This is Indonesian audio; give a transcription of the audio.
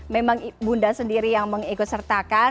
memang bunda sendiri yang mengikut sertakan